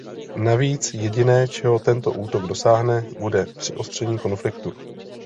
Navíc, jediné, čeho tento útok dosáhne, bude přiostření konfliktu.